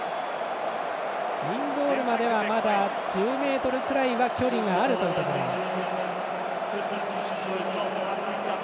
インゴールまではまだ１０ｍくらいは距離があるというところです。